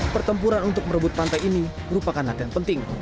pertempuran untuk merebut pantai ini merupakan latihan penting